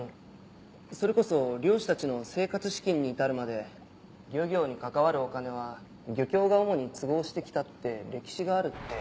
それこそ漁師たちの生活資金に至るまで漁業に関わるお金は漁協が主に都合して来たって歴史があるって。